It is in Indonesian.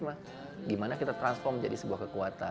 bagaimana kita transformasi menjadi sebuah kekuatan